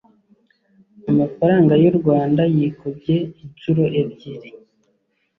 Amafaranga Y U Rwanda Yikubye Inshuro Ebyiri